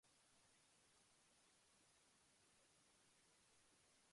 Anderson taught us important life lessons that went beyond academics.